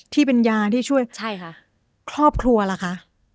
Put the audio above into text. ที่เป็นยาที่ช่วยครอบครัวล่ะคะ